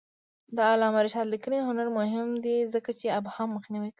د علامه رشاد لیکنی هنر مهم دی ځکه چې ابهام مخنیوی کوي.